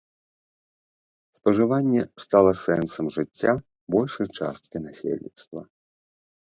Спажыванне стала сэнсам жыцця большай часткі насельніцтва.